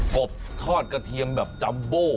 บทอดกระเทียมแบบจัมโบ